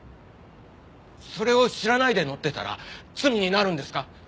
それを知らないで乗ってたら罪になるんですか！？